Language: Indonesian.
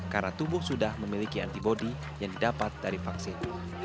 karena tubuh sudah memiliki antibody yang didapat dari vaksin